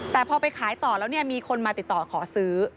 แต่พอไปขายต่อแล้วเนี่ยมีคนมาติดต่อขอซื้อ